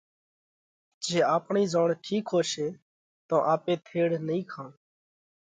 جي آپڻئي زوڻ ٺِيڪ ھوشي تو آپي ٿيڙ نئين کائون۔